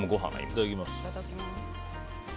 いただきます。